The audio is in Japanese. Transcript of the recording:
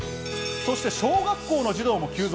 そして小学校の児童も急増。